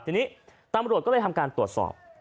ทีนี้ตำรวจก็เลยทำการตรวจสอบ